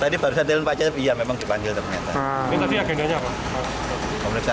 tadi barusan telepon pak cecep iya memang dipanggil ternyata